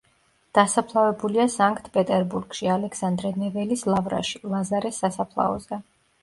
დასაფლავებულია სანქტ-პეტერბურგში, ალექსანდრე ნეველის ლავრაში, ლაზარეს სასაფლაოზე.